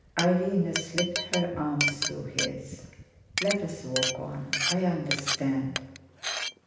Irene slipped her arm through his. "Let's walk on; I understand."